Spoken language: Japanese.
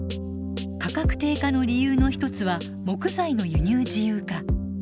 価格低下の理由の一つは木材の輸入自由化。